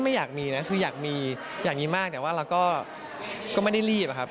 ไม่อยากมีนะคะอยากมีมากแต่ว่าแล้วเราก็ไม่ได้รีบครับ